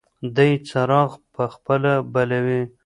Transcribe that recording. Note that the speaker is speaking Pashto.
دی څراغ په خپله بلوي.